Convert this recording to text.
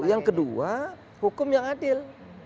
yang kedua hukum yang adil